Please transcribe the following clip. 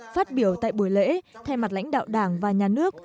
phát biểu tại buổi lễ thay mặt lãnh đạo đảng và nhà nước